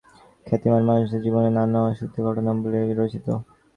এই লেখাগুলো সেই সময়ের খ্যাতিমান মানুষদের জীবনের নানা অসঙ্গতিপূর্ণ ঘটনাবলি অবলম্বনে রচিত।